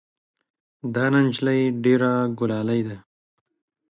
دا نجلۍ ډېره ګلالۍ ده.